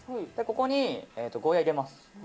ここにゴーヤ入れます。